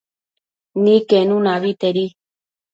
Niquenuna abetedi